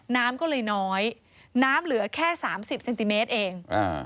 น้ำก็เลยน้อยน้ำเหลือแค่สามสิบเซนติเมตรเอง